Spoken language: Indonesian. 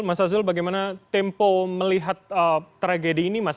mas azul bagaimana tempo melihat tragedi ini mas